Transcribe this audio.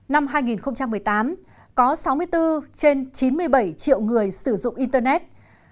năm hai nghìn một mươi tám có sáu mươi bốn trên chín mươi bảy triệu người sử dụng internet sáu mươi năm chín mươi tám